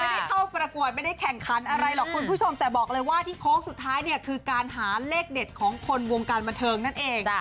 ไม่ได้เข้าประกวดไม่ได้แข่งขันอะไรหรอกคุณผู้ชมแต่บอกเลยว่าที่โค้งสุดท้ายเนี่ยคือการหาเลขเด็ดของคนวงการบันเทิงนั่นเอง